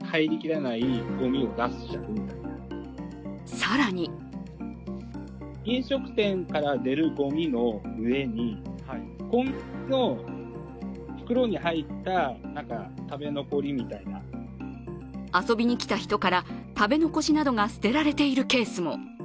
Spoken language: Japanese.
更に遊びに来た人から食べ残しなどが捨てられているケースも。